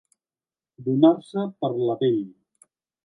Donar-se per la pell.